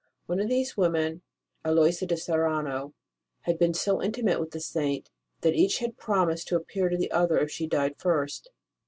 One of these women, Aloysia de Serrano, had been so intimate with the Saint that each had promised to appear to the other if she died first.